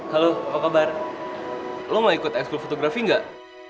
halo apa kabar lo mau ikut eksklub fotografi gak